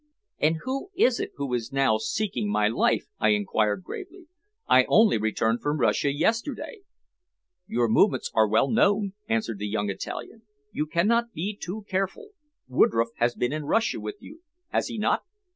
"And who is it who is now seeking my life?" I inquired gravely. "I only returned from Russia yesterday." "Your movements are well known," answered the young Italian. "You cannot be too careful. Woodroffe has been in Russia with you, has he not?"